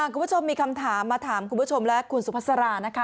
คุณผู้ชมมีคำถามมาถามคุณผู้ชมและคุณสุภาษารานะคะ